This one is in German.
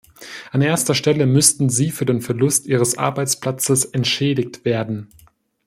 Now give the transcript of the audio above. An erster Stelle müssten sie für den Verlust ihres Arbeitsplatzes entschädigt werden.